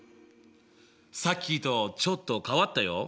さっきとちょっと変わったよ。